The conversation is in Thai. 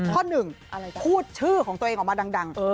ข้อหนึ่งพูดชื่อของตัวเองออกมาดัง